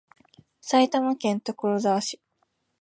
埼玉県所沢市